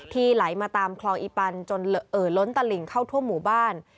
ไหลมาตามคลองอีปันจนเอ่อล้นตลิ่งเข้าทั่วหมู่บ้าน